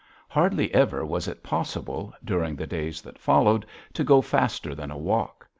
Hardly ever was it possible, during the days that followed, to go faster than a walk.